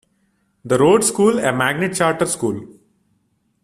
The Rhodes School, a magnet charter school.